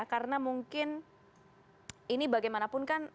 karena mungkin ini bagaimanapun kan